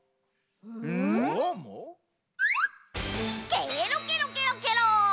ケロケロケロケロ！